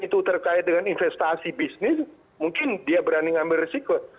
kalau ini terkait dengan investasi bisnis mungkin dia berani ambil resiko